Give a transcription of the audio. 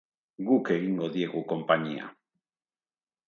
Guk egingo diegu konpainia.